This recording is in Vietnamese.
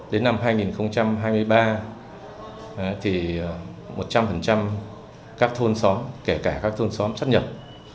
đến năm hai nghìn hai mươi ba một trăm linh các thôn xóm kể cả các thôn xóm sắp nhập